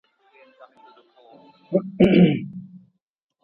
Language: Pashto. په لاس لیکل د دوستۍ د تارونو پیاوړي کول دي.